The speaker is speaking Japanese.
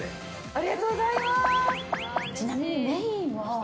ありがとうございます。